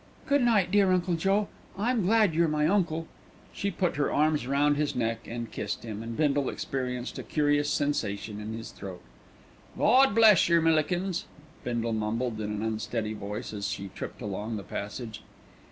"Good night, dear Uncle Joe. I'm glad you're my uncle." She put her arms round his neck and kissed him, and Bindle experienced a curious sensation in his throat. "Gawd bless yer, Millikins," Bindle mumbled in an unsteady voice, as she tripped along the passage.